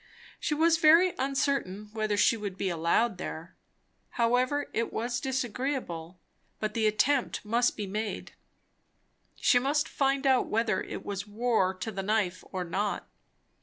She was very uncertain whether she would be allowed there. However, it was disagreeable, but the attempt must be made; she must find out whether it was war to the knife or not.